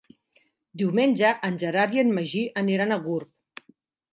Diumenge en Gerard i en Magí aniran a Gurb.